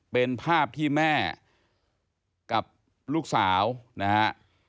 เป็นภาพที่แม่กับลูกสาวนะฮะ